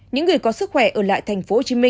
những người có sức khỏe ở lại tp hcm